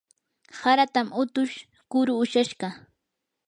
haratam utush kuru ushashqa.